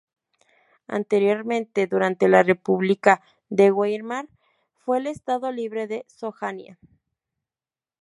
Anteriormente, durante la República de Weimar fue el Estado Libre de Sajonia.